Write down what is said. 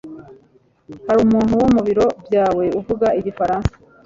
Hari umuntu wo mu biro byawe uvuga igifaransa?